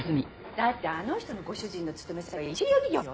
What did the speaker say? だってあの人のご主人の勤め先は一流企業よ。